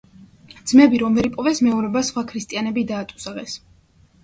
ძმები რომ ვერ იპოვეს, მეომრებმა სხვა ქრისტიანები დაატუსაღეს.